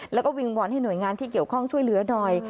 แล้วก็วิงวอนให้หน่วยงานที่เกี่ยวข้องช่วยเหลือหน่อย